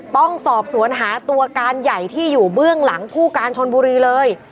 ต้องสอบสวนหาตัวการใหญ่ที่อยู่เบื้องหลังผู้การชนบุรีเลย